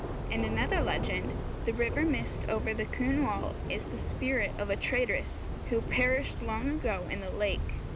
In another legend, the river mist over the Cynwal is the spirit of a traitress who perished long ago in the lake.